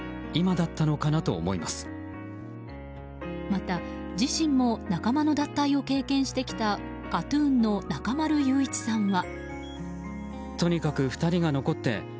また、自身も仲間の脱退を経験してきたＫＡＴ‐ＴＵＮの中丸雄一さんは。